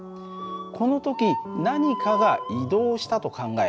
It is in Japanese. この時何かが移動したと考え